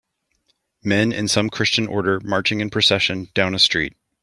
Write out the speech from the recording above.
Men in some Christian order marching in procession down a street.